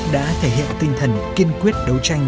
đã thể hiện tinh thần kiên quyết đấu tranh